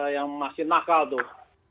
yang masih nakal tuh